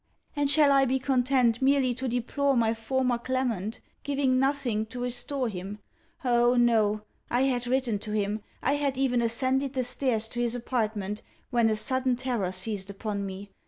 And shall I be content merely to deplore my former Clement, giving nothing, to restore him? Oh, no! I had written to him, I had even ascended the stairs to his apartment, when a sudden terror seized upon me.